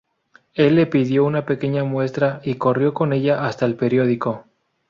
Él le pidió una pequeña muestra y corrió con ella hasta el periódico.